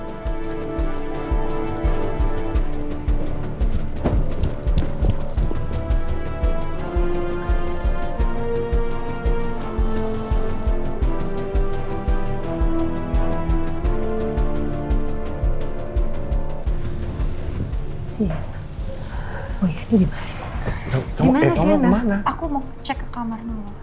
gimana sienna aku mau cek ke kamar mama